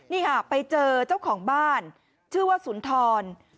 นี่ค่ะไปเจอเจ้าของบ้านชื่อว่าสุนทร